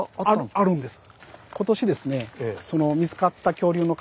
あるんです。